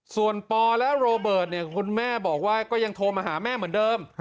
ส่วนปอและโรเบิร์ตคุณแม่บอกว่าก็ยังโทรมาหาแม่เหมือนเดิม